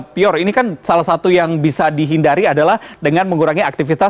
pior ini kan salah satu yang bisa dihindari adalah dengan mengurangi aktivitas